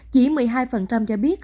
chỉ một mươi hai cho biết